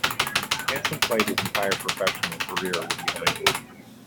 Hanson played his entire professional career with United.